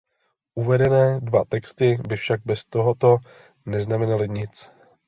Uvedené dva texty by však bez tohoto neznamenaly nic.